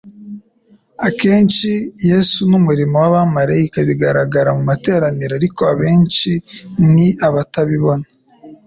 Akenshi Yesu n'umurimo w'abamarayika bigaragara mu materaniro, ariko abenshi ni abatabibona.